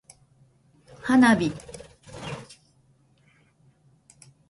花火